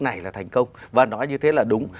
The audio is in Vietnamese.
này là thành công và nói như thế là đúng